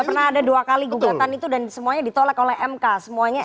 pernah ada dua kali gugatan itu dan semuanya ditolak oleh mk semuanya